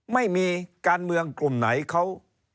ไม่มีการเมืองกลุ่มไหนเขา